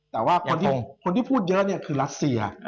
แต่ว่าคนที่พูดเยอะเนี่ยคือรัสเซีย